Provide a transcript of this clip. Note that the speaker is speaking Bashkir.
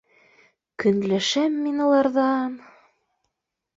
Көнләшәм мин уларҙан.